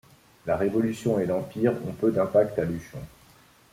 La Révolution et l'Empire ont peu d'impact à Luchon.